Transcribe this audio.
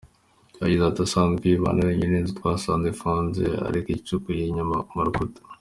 Yagize ati “Asanzwe yibana wenyine, inzu twasanze ifunze ariko icukuye inyuma mu rukuta.